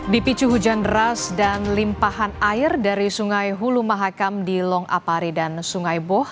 dipicu hujan deras dan limpahan air dari sungai hulu mahakam di long apari dan sungai boh